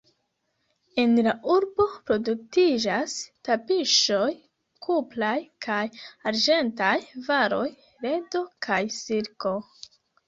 En la urbo produktiĝas tapiŝoj, kupraj kaj arĝentaj varoj, ledo kaj silko.